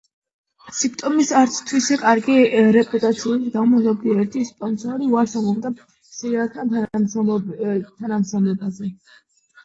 სიტკომის არც თუ ისე კარგი რეპუტაციის გამო ზოგიერთი სპონსორი უარს ამბობდა სერიალთან თანამშრომლობაზე.